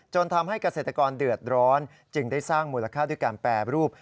ทำให้เกษตรกรเดือดร้อนจึงได้สร้างมูลค่าด้วยการแปรรูป